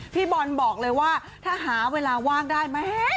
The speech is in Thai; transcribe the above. พี่บอลบอกเลยว่าถ้าหาเวลาว่างได้แม่